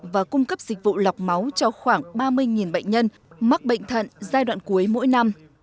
và cung cấp dịch vụ lọc máu cho khoảng ba mươi bệnh nhân mắc bệnh thận giai đoạn cuối mỗi năm